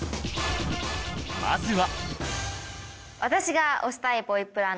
まずは